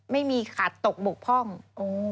ไม่มีขาดตกบกพร่อง